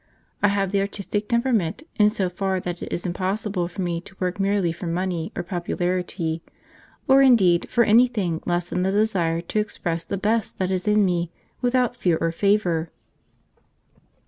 I have the artistic temperament in so far that it is impossible for me to work merely for money or popularity, or indeed for anything less than the desire to express the best that is in me without fear or favour.